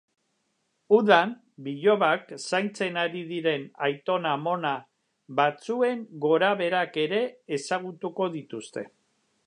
Udan bilobak zaintzen ari diren aitona-amona batzuen gorabeherak ere ezagutuko dituzte.